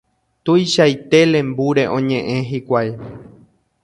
tuichaite lembúre oñe'ẽ hikuái